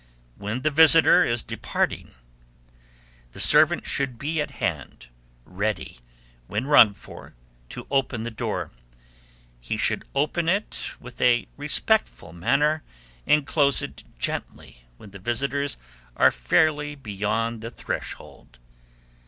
When the visitor is departing, the servant should be at hand, ready, when rung for, to open the door; he should open it with a respectful manner, and close it gently when the visitors are fairly beyond the threshold.